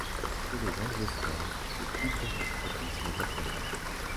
Chez les angiospermes, ce type d’hermaphrodisme est assez rare.